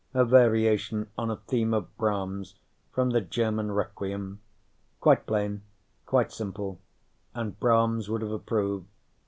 a variation on a theme of Brahms, from the German Requiem. Quite plain, quite simple, and Brahms would have approved.